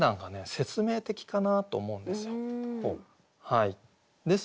説明的かなと思うんですよ。